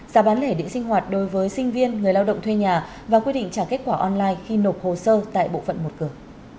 các bạn có thể định sinh hoạt đối với sinh viên người lao động thuê nhà và quyết định trả kết quả online khi nộp hồ sơ tại bộ phận một cửa